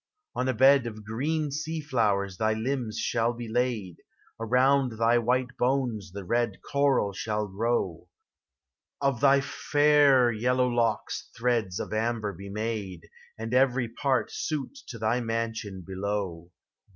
On a bed of green Ben flowers thy limbs shall be laid, — Around thy white bones the red coral shall grow ; Of thy fair yellow locks threads of amber be made And everj pari suit to thy mansion below.